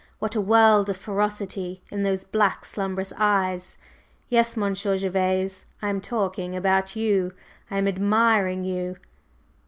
What a world of ferocity in those black, slumbrous eyes! Yes, Monsieur Gervase, I am talking about you. I am admiring you!"